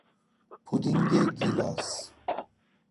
پودینگ گیلاس